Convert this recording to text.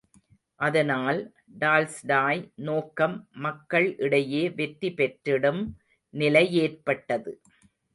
அதனால், டால்ஸ்டாய் நோக்கம் மக்கள் இடையே வெற்றிபெற்றிடும் நிலையேற்பட்டது.